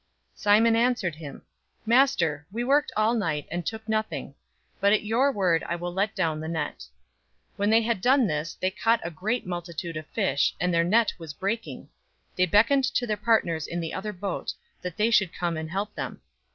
005:005 Simon answered him, "Master, we worked all night, and took nothing; but at your word I will let down the net." 005:006 When they had done this, they caught a great multitude of fish, and their net was breaking. 005:007 They beckoned to their partners in the other boat, that they should come and help them.